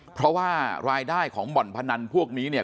เพราะว่ารายได้ของบ่อนพนันพวกนี้เนี่ย